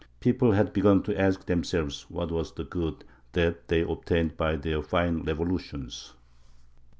People had begun to ask themselves what was the good that they had obtained by their fine revolutions?